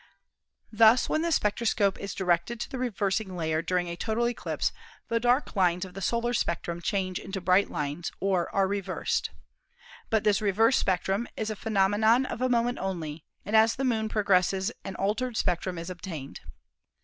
Thus when the spectroscope is di rected to the reversing layer during a total eclipse the dark lines of the solar spectrum change into bright lines or are reversed. But this reverse spectrum is a phe nomenon of a moment only, and as the Moon progresses an altered spectrum is obtained.